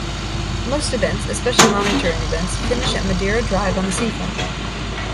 Most events, especially motoring events, finish at Madeira Drive on the seafront.